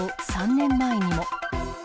３年前にも。